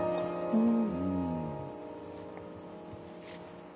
うん。